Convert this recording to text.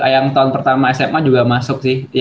tauan pertama sma juga masuk sih